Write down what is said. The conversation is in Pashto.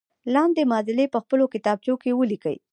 لاندې معادلې په خپلو کتابچو کې ولیکئ.